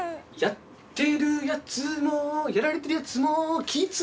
「やってるやつもやられてるやつもきつい」